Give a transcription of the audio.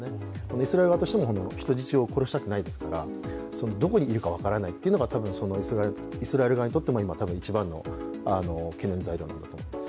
イスラエル側としても人質を殺したくはないですからどこにいるか分からないというのが、イスラエル側にとっても一番の懸念材料だと思います。